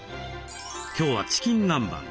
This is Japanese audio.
今日はチキン南蛮。